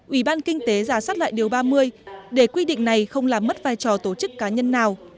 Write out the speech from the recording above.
ủy ban kinh tế giả sát lại điều ba mươi để quy định này không làm mất vai trò tổ chức cá nhân nào